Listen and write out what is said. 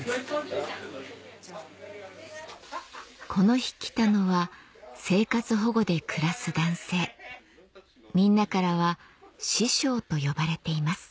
この日来たのは生活保護で暮らす男性みんなからは「師匠」と呼ばれています